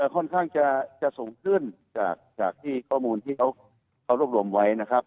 ค่อนข้างจะสูงขึ้นจากที่ข้อมูลที่เขารวบรวมไว้นะครับ